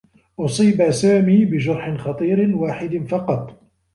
أصيب سامي بجرح خطير واحد فقط.